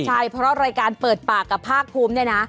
ใช่เพราะรายการเปิดปากกับภาคภูมิเนี่ยนะ